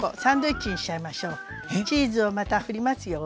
チーズをまた振りますよ。